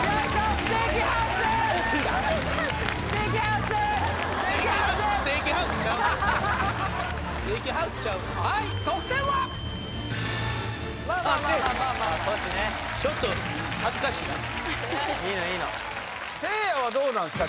ステーキハウスステーキハウスちゃうねんはい得点はまあまあまあまあまあ阻止ねちょっと恥ずかしいないいのいいのせいやはどうなんですか？